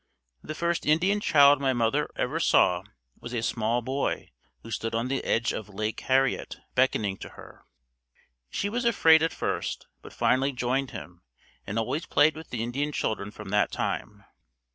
The first Indian child my mother ever saw was a small boy who stood on the edge of Lake Harriet beckoning to her. She was afraid at first but finally joined him and always played with the Indian children from that time.